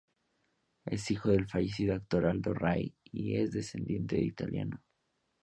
Es hijo del fallecido actor Aldo Ray, y es descendiente de italiano.